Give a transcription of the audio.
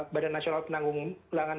badan nasional penanggung pelangan